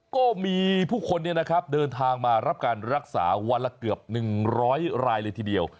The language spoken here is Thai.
ก็มีผู้คนเดินทางมารับการรักษาวันละเกือบ๑๐๐รายเลยทีเดียว